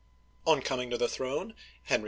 On coming to the throne, Henry II.